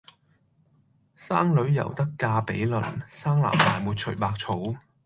生女猶得嫁比鄰，生男埋沒隨百草！